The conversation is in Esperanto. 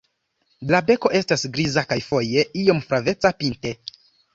La beko estas griza kaj foje iom flaveca pinte.